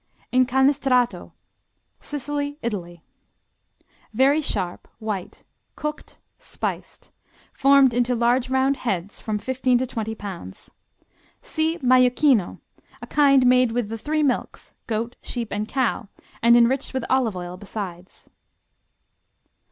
Incanestrato Sicily, Italy Very sharp; white; cooked; spiced; formed into large round "heads" from fifteen to twenty pounds. See Majocchino, a kind made with the three milks, goat, sheep and cow, and enriched with olive oil besides.